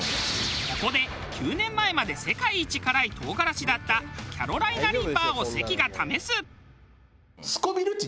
ここで９年前まで世界一辛い唐辛子だったキャロライナ・リーパーを関が試す。